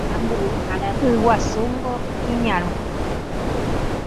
Y guasúngo iñarõ